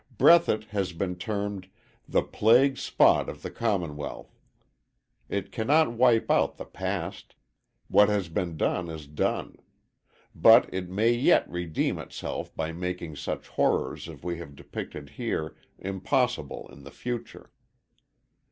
Breathitt has been termed "the plague spot of the Commonwealth." It cannot wipe out the past; what has been done is done. But it may yet redeem itself by making such horrors as we have depicted here, impossible in the future.